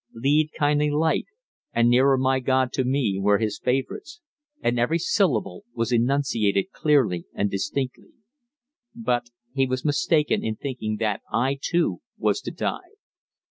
"Lead Kindly Light" and "Nearer My God to Thee" were his favourites, and every syllable was enunciated clearly and distinctly. But he was mistaken in thinking that I, too, was to die.